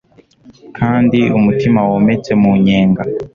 Kandi umutima wometse mu nyenga